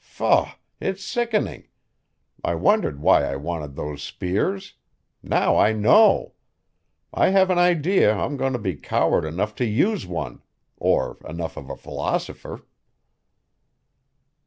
Faugh! It's sickening! I wondered why I wanted those spears. Now I know. I have an idea I'm going to be coward enough to use one or enough of a philosopher."